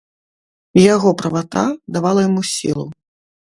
Яго правата давала яму сілу.